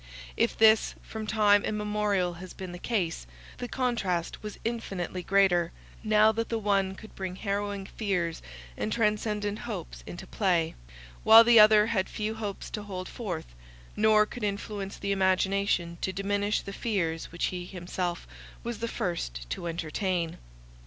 If this from time immemorial has been the case, the contrast was infinitely greater, now that the one could bring harrowing fears and transcendent hopes into play; while the other had few hopes to hold forth, nor could influence the imagination to diminish the fears which he himself was the first to entertain.